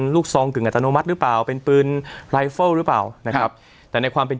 ซองกึ่งอัตโนมัติหรือเปล่าเป็นปืนไลเฟิลหรือเปล่านะครับแต่ในความเป็น